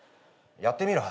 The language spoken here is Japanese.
やってみろ。